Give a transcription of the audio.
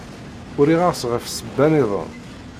Uriɣ-as ɣef ssebba-iḍen.